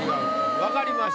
分かりました。